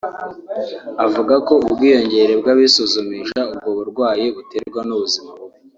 Avuga ko ubwiyongere bw’abisuzumisha ubwo burwayi buterwa n’ubuzima bubi